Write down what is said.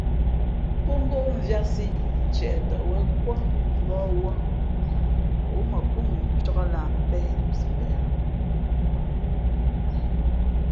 Pó ngóʼ mvīātsī ntieʼ tαʼ wěn kúά mbǒh wūᾱ ǒ mα pó mʉncāk lah mbēh nusipeʼ lά.